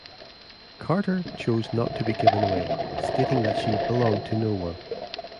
Carter chose not to be given away, stating that she "belonged to no one".